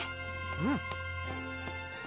うん。